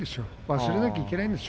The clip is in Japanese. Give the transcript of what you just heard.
忘れなきゃいけないんですよ。